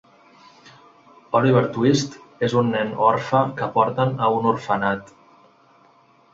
Oliver Twist és un nen orfe que porten a un orfenat.